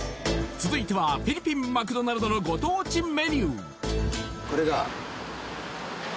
続いてはフィリピンマクドナルドのご当地メニュー